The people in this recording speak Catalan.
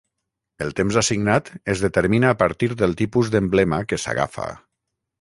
El temps assignat es determina a partir del tipus d'emblema que s'agafa.